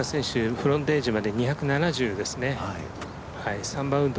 フロントエッジまで２７０ですね。